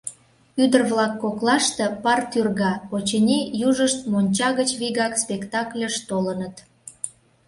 Ӱдыр-влак коклаште пар тӱрга: очыни, южышт монча гыч вигак спектакльыш толыныт.